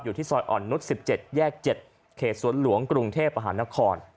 ที่ซอยอ่อนนุษย์๑๗แยก๗เขตสวนหลวงกรุงเทพมหานคร